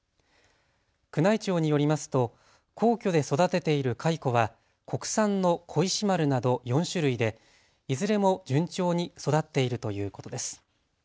宮内庁によりますと皇居で育てている蚕は国産の小石丸など４種類でいずれも順調に育っているということです。